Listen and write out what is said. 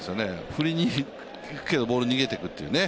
振りにいくけど、ボールが逃げていくというね。